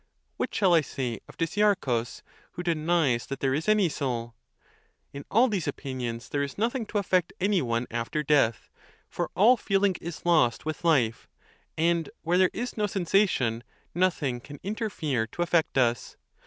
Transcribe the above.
What shall I say of Dicearchus, who denies that there is any soul? In all these opinions, there is nothing to affect any one after death; for all feeling is lost with life, and where there is no sensation, nothing can interfere to affect us.